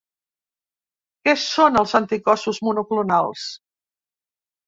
Què són els anticossos monoclonals?